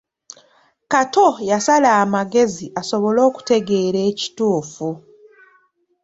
Kato yasala amagezi asobole okutegeera ekituufu.